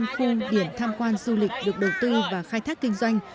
ba mươi năm khu điểm tham quan du lịch được đầu tư và khai thác kinh doanh